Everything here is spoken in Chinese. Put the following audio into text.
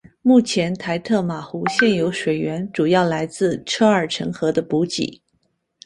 目前台特玛湖现有水源主要来自车尔臣河的补给。